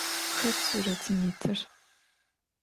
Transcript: Xet suretım yitır?